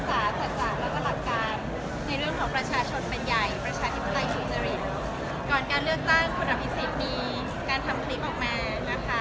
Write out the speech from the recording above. ก่อนการเลือกตั้งคุณอภิษฎมีการทำคลิปออกมานะคะ